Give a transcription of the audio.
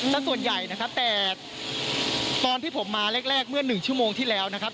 แต่ส่วนใหญ่นะครับแต่ตอนที่ผมมาแรกเมื่อ๑ชั่วโมงที่แล้วนะครับ